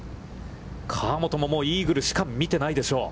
河本もイーグルしか見てないでしょう。